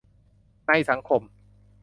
ในสังคม